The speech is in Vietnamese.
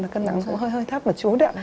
cân nặng cũng hơi thấp và chú đẹp